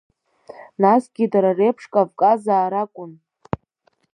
Насгьы дара реиԥш Кавказаа ракәын.